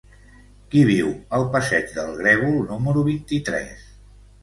Qui viu al passeig del Grèvol número vint-i-tres?